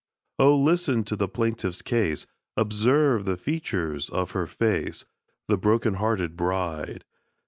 Oh, listen to the plaintiff's case: Observe the features of her face— The broken hearted bride!